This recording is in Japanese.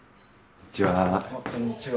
こんにちは。